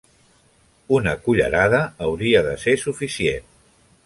Una cullerada hauria de ser suficient.